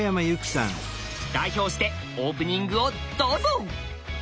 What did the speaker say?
代表してオープニングをどうぞ！